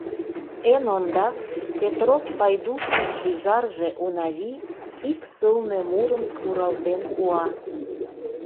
Эн ондак Петров Пайдушын шӱжарже Унави ик сылне мурым муралтен пуа.